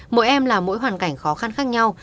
mỗi em là mỗi hoàn cảnh khó khăn khác nhau